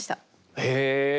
へえ。